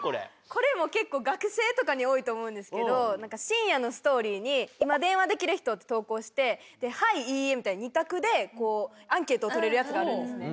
これも結構。と思うんですけど深夜のストーリーに「今電話できる人」って投稿して「はい」「いいえ」みたいに二択でアンケートを取れるやつがあるんですね。